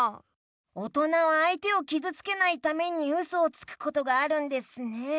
おとなはあいてをきずつけないためにウソをつくことがあるんですね。